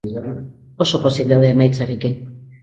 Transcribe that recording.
Oso pozik daude emaitzarekin.